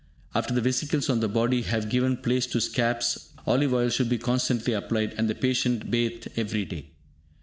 After the vesicles on the body have given place to scabs, olive oil should be constantly applied, and the patient bathed every day.